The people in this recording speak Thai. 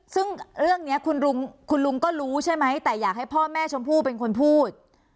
ซึ่งเรื่องนี้คุณลุงก็รู้ใช่ไหมแต่อยากให้พ่อแม่ชมพู่เป็นคนพูด